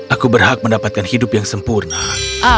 aku berhak mendapatkan hidup yang sempurna